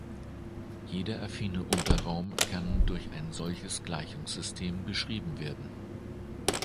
Jeder affine Unterraum kann durch ein solches Gleichungssystem beschrieben werden.